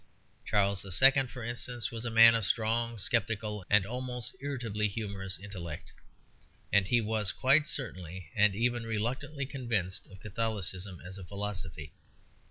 Charles II., for instance, was a man of strong, sceptical, and almost irritably humorous intellect, and he was quite certainly, and even reluctantly, convinced of Catholicism as a philosophy.